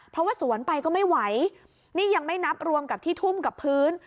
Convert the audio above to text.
เพราะว่าสวนไปก็ไม่ไหวนี่ยังไม่นับรวมกับที่ทุ่มกับพื้น